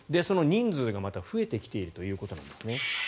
その人数がまた増えてきているということなんです。